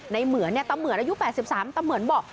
ในเหมือนตามเหมือนอายุ๘๓ตามเหมือนบอก